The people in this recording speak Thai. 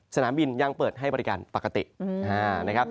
สนามบินยังเปิดให้บริการปกตินะครับ